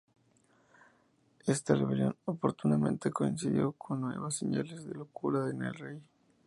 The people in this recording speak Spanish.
Esta rebelión, oportunamente, coincidió con nuevas señales de locura en el rey.